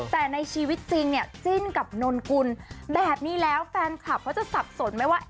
แต่ในชีวิตจริงเนี่ยจิ้นกับนนกุลแบบนี้แล้วแฟนคลับเขาจะสับสนไหมว่า